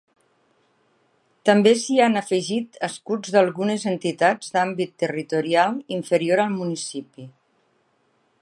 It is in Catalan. També s'hi han afegit escuts d'algunes entitats d'àmbit territorial inferior al municipi.